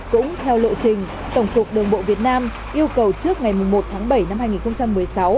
cũng theo lộ trình tổng cục đường bộ việt nam yêu cầu trước ngày một tháng bảy năm hai nghìn một mươi sáu